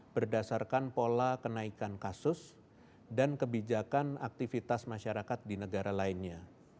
berdasarkan pola kenaikan kasus dan kebijakan aktivitas masyarakat di negara lainnya